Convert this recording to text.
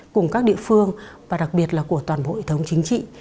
cùng các địa phương và đặc biệt là của toàn bộ hệ thống chính trị